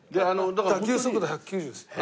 打球速度１９０ですって。